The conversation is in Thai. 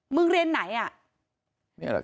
มึงเรียนไหนอ่ะ